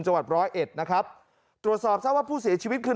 จังหวัดร้อยเอ็ดนะครับตรวจสอบทราบว่าผู้เสียชีวิตคือ